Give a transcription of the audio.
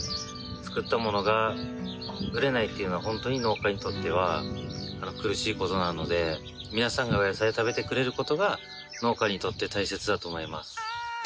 作ったものが売れないっていうのは、本当に農家にとっては苦しいことなので、皆さんが野菜食べてくれることが、農家にとって大切だと思います。